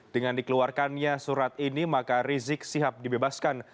dengan dikeluarkannya surat ini maka rizik sihab dibebaskan